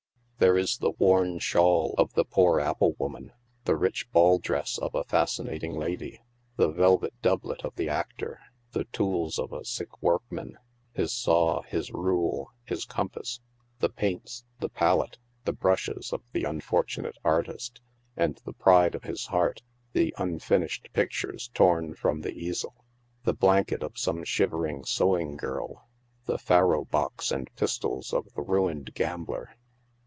There is the worn shawl of the poor apple woman, the rich ball dress of a fascinating lady, the velvet doublet of the actor, the tools of a sick workman — his saw, his rule, his compass, the paints, the pallet, the brushes of the un fortunate artist, and the pride of his heart— the unfinished pictures torn from the easel ; the blanket of some shivering sewing girl, the faro box and pistols of the ruined gambler.